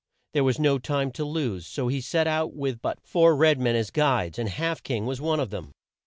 There was no time to lose, and so he set out with but four red men as guides, and Half King was one of them.